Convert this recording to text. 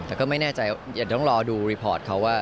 แต่ก็ไม่แน่ใจเดี๋ยวต้องรอดูรีพอร์ตเขาว่า